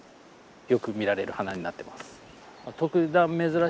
よく見られる花になってます。